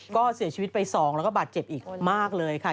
ก็เสียชีวิตไป๒แล้วก็บาดเจ็บอีกมากเลยค่ะ